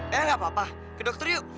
eh gak apa apa ke dokter yuk